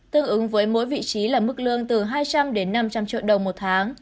tương ứng với mỗi vị trí là mức lương từ hai trăm linh đến năm trăm linh triệu đồng một tháng